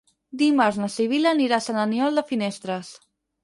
Dimarts na Sibil·la anirà a Sant Aniol de Finestres.